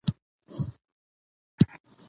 خوشال هم د واکمن ټولنيز کلچر له مخې